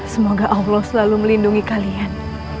semoga allah selalu melindungi kalian